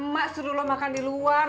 mak suruh lo makan di luar